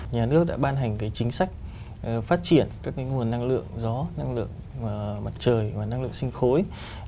nhà nước đã ban hành chính sách phát triển các nguồn năng lượng gió năng lượng mặt trời và năng lượng sinh khối